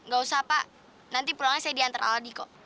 gausah pak nanti pulangnya saya diantar aldi kok